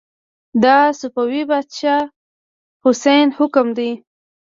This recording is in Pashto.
دا د صفوي پاچا شاه حسين حکم دی.